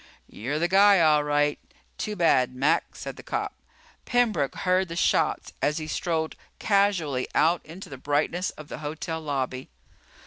"You're the guy, all right. Too bad, Mac," said the cop. Pembroke heard the shots as he strolled casually out into the brightness of the hotel lobby.